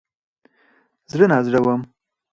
زړه نازړه وم.